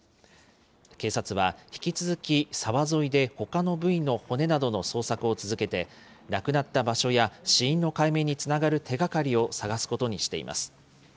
警察は、引き続き沢沿いで、ほかの部位の骨などの捜索を続けて、亡くなった場所や死因の解明につながる手がかりを探すことにしています。